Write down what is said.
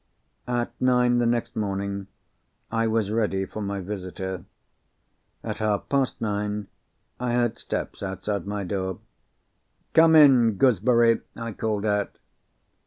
At nine, the next morning, I was ready for my visitor. At half past nine, I heard steps outside my door. "Come in, Gooseberry!" I called out.